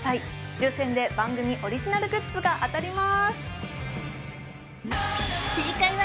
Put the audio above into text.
抽選で番組オリジナルグッズが当たります